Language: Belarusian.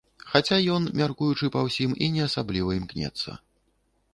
Хаця ён, мяркуючы па ўсім, і не асабліва імкнецца.